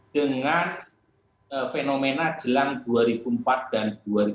dengan fenomena jelang dua ribu empat dan dua ribu empat